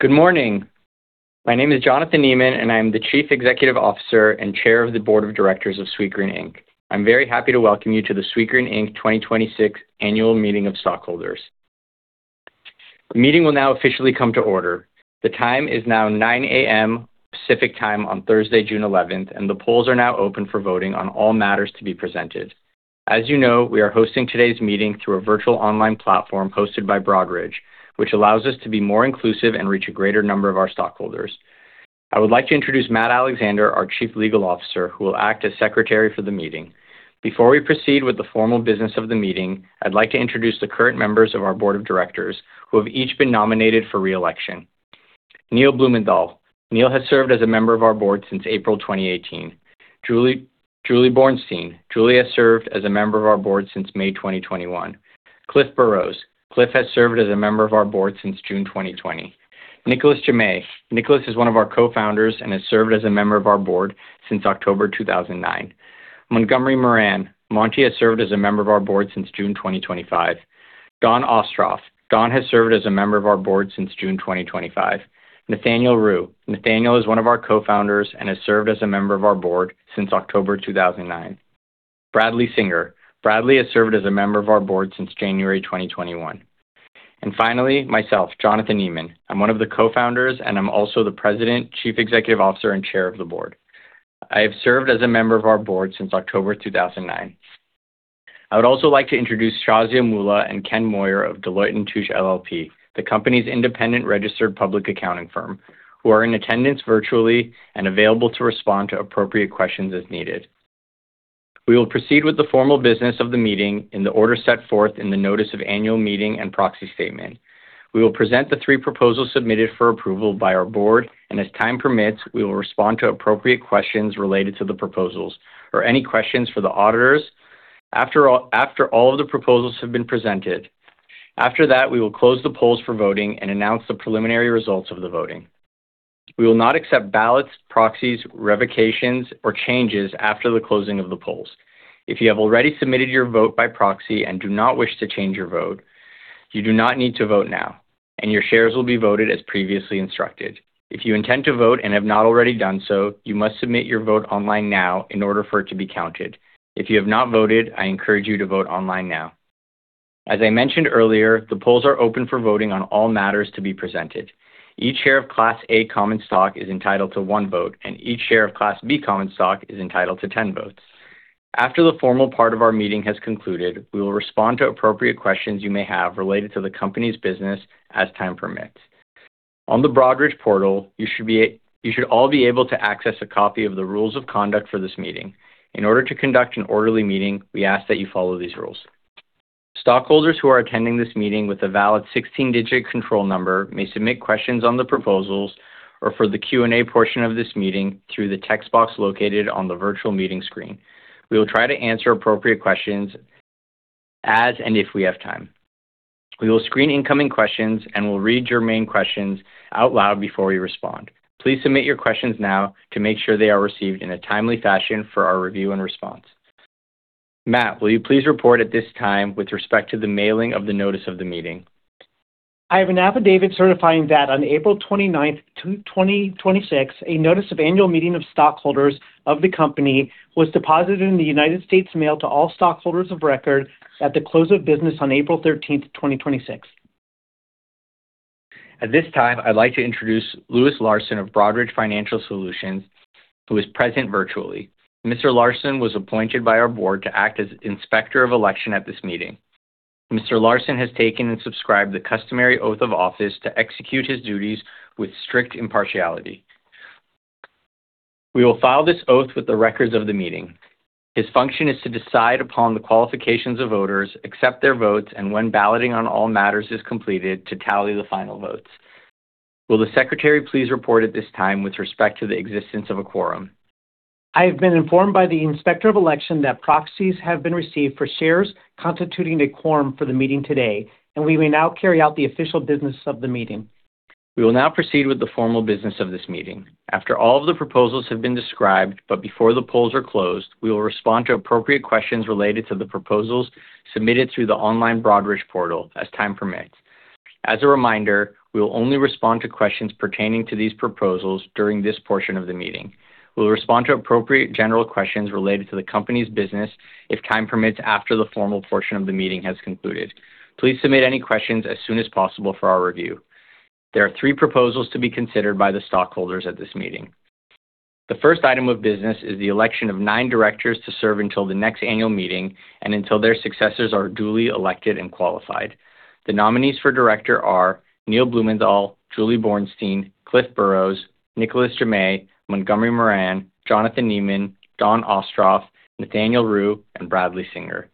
Good morning. My name is Jonathan Neman, I am the Chief Executive Officer and Chair of the Board of Directors of Sweetgreen, Inc. I'm very happy to welcome you to the Sweetgreen, Inc. 2026 Annual Meeting of Stockholders. The meeting will now officially come to order. The time is now 9:00 A.M. Pacific Time on Thursday, June 11th, The polls are now open for voting on all matters to be presented. As you know, we are hosting today's meeting through a virtual online platform hosted by Broadridge, which allows us to be more inclusive and reach a greater number of our stockholders. I would like to introduce Matt Alexander, our Chief Legal Officer, who will act as Secretary for the meeting. Before we proceed with the formal business of the meeting, I'd like to introduce the current members of our board of directors who have each been nominated for re-election. Neil Blumenthal. Neil has served as a member of our board since April 2018. Julie Bornstein. Julie has served as a member of our board since May 2021. Cliff Burrows. Cliff has served as a member of our board since June 2020. Nicolas Jammet. Nicolas is one of our co-founders and has served as a member of our board since October 2009. Montgomery Moran. Monty has served as a member of our board since June 2025. Dawn Ostroff. Dawn has served as a member of our board since June 2025. Nathaniel Ru. Nathaniel is one of our co-founders and has served as a member of our board since October 2009. Bradley Singer. Bradley has served as a member of our board since January 2021. Finally, myself, Jonathan Neman. I'm one of the co-founders, and I'm also the President, Chief Executive Officer, and Chair of the Board. I have served as a member of our board since October 2009. I would also like to introduce Shazia Moola and Ken Moyer of Deloitte & Touche LLP, the company's independent registered public accounting firm, who are in attendance virtually and available to respond to appropriate questions as needed. We will proceed with the formal business of the meeting in the order set forth in the notice of annual meeting and proxy statement. We will present the three proposals submitted for approval by our board, As time permits, we will respond to appropriate questions related to the proposals or any questions for the auditors after all of the proposals have been presented. After that, we will close the polls for voting and announce the preliminary results of the voting. We will not accept ballots, proxies, revocations, or changes after the closing of the polls. If you have already submitted your vote by proxy and do not wish to change your vote, you do not need to vote now, and your shares will be voted as previously instructed. If you intend to vote and have not already done so, you must submit your vote online now in order for it to be counted. If you have not voted, I encourage you to vote online now. As I mentioned earlier, the polls are open for voting on all matters to be presented. Each share of Class A common stock is entitled to one vote, and each share of Class B common stock is entitled to 10 votes. After the formal part of our meeting has concluded, we will respond to appropriate questions you may have related to the company's business as time permits. On the Broadridge portal, you should all be able to access a copy of the rules of conduct for this meeting. In order to conduct an orderly meeting, we ask that you follow these rules. Stockholders who are attending this meeting with a valid 16-digit control number may submit questions on the proposals or for the Q&A portion of this meeting through the text box located on the virtual meeting screen. We will try to answer appropriate questions as and if we have time. We will screen incoming questions and will read your main questions out loud before we respond. Please submit your questions now to make sure they are received in a timely fashion for our review and response. Matt, will you please report at this time with respect to the mailing of the notice of the meeting? I have an affidavit certifying that on April 29th, 2026, a notice of annual meeting of stockholders of the company was deposited in the United States Mail to all stockholders of record at the close of business on April 13th, 2026. At this time, I'd like to introduce Lewis Larson of Broadridge Financial Solutions, who is present virtually. Mr. Larson was appointed by our board to act as Inspector of Election at this meeting. Mr. Larson has taken and subscribed the customary oath of office to execute his duties with strict impartiality. We will file this oath with the records of the meeting. His function is to decide upon the qualifications of voters, accept their votes, and when balloting on all matters is completed, to tally the final votes. Will the Secretary please report at this time with respect to the existence of a quorum? I have been informed by the Inspector of Election that proxies have been received for shares constituting a quorum for the meeting today, and we may now carry out the official business of the meeting. We will now proceed with the formal business of this meeting. After all of the proposals have been described, but before the polls are closed, we will respond to appropriate questions related to the proposals submitted through the online Broadridge portal as time permits. As a reminder, we will only respond to questions pertaining to these proposals during this portion of the meeting. We'll respond to appropriate general questions related to the company's business if time permits after the formal portion of the meeting has concluded. Please submit any questions as soon as possible for our review. There are three proposals to be considered by the stockholders at this meeting. The first item of business is the election of nine directors to serve until the next annual meeting and until their successors are duly elected and qualified. The nominees for director are Neil Blumenthal, Julie Bornstein, Cliff Burrows, Nicolas Jammet, Montgomery Moran, Jonathan Neman, Dawn Ostroff, Nathaniel Ru, and Bradley Singer.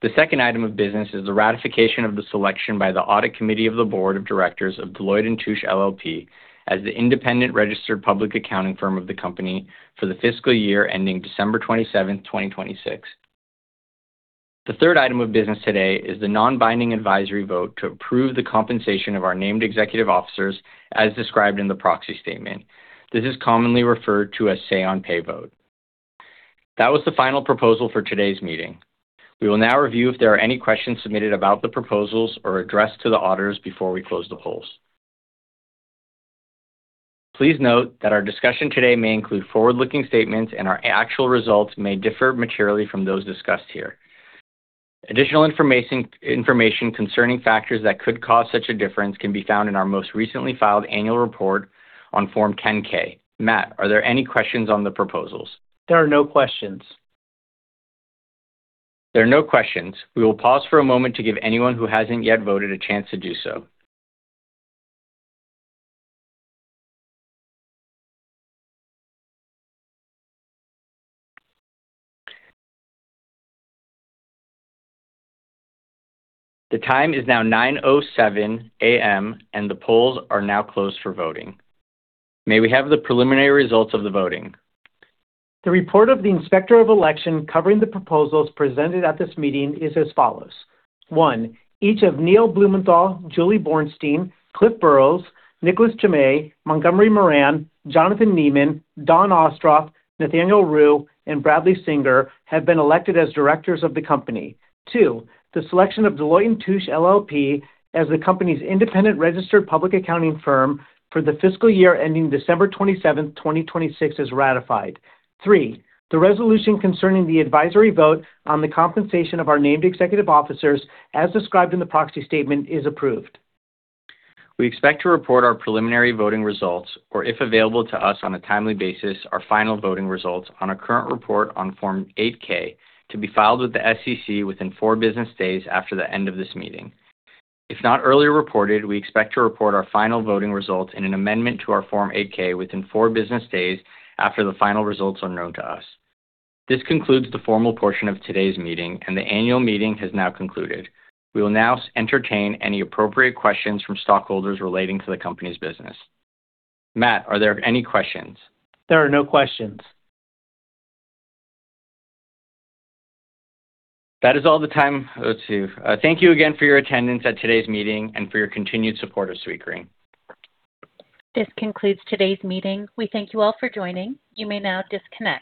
The second item of business is the ratification of the selection by the Audit Committee of the Board of Directors of Deloitte & Touche LLP as the independent registered public accounting firm of the company for the fiscal year ending December 27th, 2026. The third item of business today is the non-binding advisory vote to approve the compensation of our named executive officers as described in the proxy statement. This is commonly referred to as say on pay vote. That was the final proposal for today's meeting. We will now review if there are any questions submitted about the proposals or addressed to the auditors before we close the polls. Please note that our discussion today may include forward-looking statements, and our actual results may differ materially from those discussed here. Additional information concerning factors that could cause such a difference can be found in our most recently filed annual report on Form 10-K. Matt, are there any questions on the proposals? There are no questions. There are no questions. We will pause for a moment to give anyone who hasn't yet voted a chance to do so. The time is now 9:07 A.M., and the polls are now closed for voting. May we have the preliminary results of the voting? The report of the Inspector of Election covering the proposals presented at this meeting is as follows. One, each of Neil Blumenthal, Julie Bornstein, Cliff Burrows, Nicolas Jammet, Montgomery Moran, Jonathan Neman, Dawn Ostroff, Nathaniel Ru, and Bradley Singer have been elected as directors of the company. Two, the selection of Deloitte & Touche LLP as the company's independent registered public accounting firm for the fiscal year ending December 27th, 2026 is ratified. Three, the resolution concerning the advisory vote on the compensation of our named executive officers, as described in the proxy statement, is approved. We expect to report our preliminary voting results, or if available to us on a timely basis, our final voting results on a current report on Form 8-K to be filed with the SEC within four business days after the end of this meeting. If not earlier reported, we expect to report our final voting results in an amendment to our Form 8-K within four business days after the final results are known to us. This concludes the formal portion of today's meeting, and the annual meeting has now concluded. We will now entertain any appropriate questions from stockholders relating to the company's business. Matt, are there any questions? There are no questions. That is all the time. Thank you again for your attendance at today's meeting and for your continued support of Sweetgreen. This concludes today's meeting. We thank you all for joining. You may now disconnect.